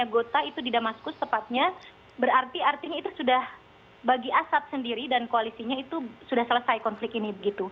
tiga gota itu di damaskus tepatnya berarti artinya itu sudah bagi asap sendiri dan koalisinya itu sudah selesai konflik ini